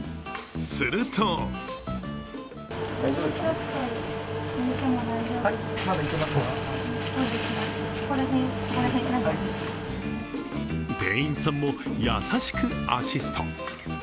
すると店員さんも優しくアシスト。